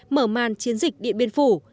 mở màn chiến dịch điện biên phủ